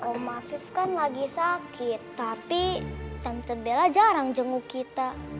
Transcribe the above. oma fief kan lagi sakit tapi tante bella jarang jenguk kita